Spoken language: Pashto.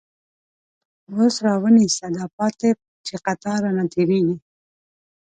اوس را ونیسه دا پاتی، چه قطار رانه تیریږی